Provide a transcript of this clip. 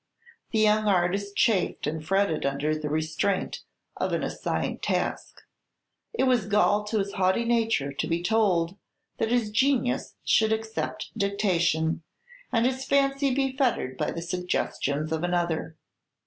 The young artist chafed and fretted under the restraint of an assigned task. It was gall to his haughty nature to be told that his genius should accept dictation, and his fancy be fettered by the suggestions of another.